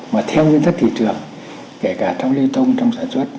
mà theo nguyên thức thị trường kể cả trong lưu thông trong sản xuất